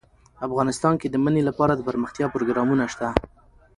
افغانستان کې د منی لپاره دپرمختیا پروګرامونه شته.